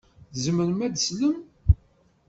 Tzemrem ad teslem?